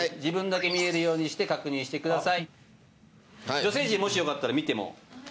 女性陣もしよかったら見ても。